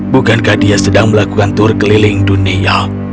bukankah dia sedang melakukan tur keliling dunia